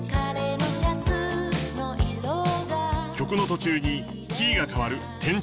曲の途中にキーが変わる転調。